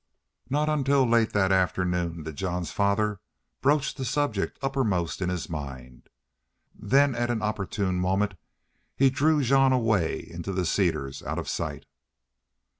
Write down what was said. Not until late that afternoon did Jean's father broach the subject uppermost in his mind. Then at an opportune moment he drew Jean away into the cedars out of sight.